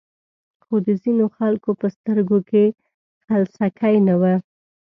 خو د ځینو خلکو په سترګو کې خلسکی نه و.